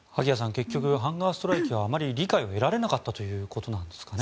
結局、ハンガーストライキはあまり理解を得られなかったということですかね。